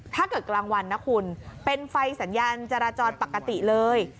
กลางวันนะคุณเป็นไฟสัญญาณจราจรปกติเลย